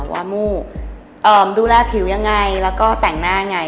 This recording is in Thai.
ว่ามูกดูแลผิวยังไงแล้วก็แต่งหน้าไง